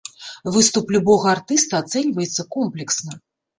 Выступ любога артыста ацэньваецца комплексна.